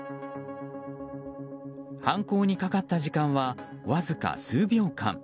犯行にかかった時間はわずか数秒間。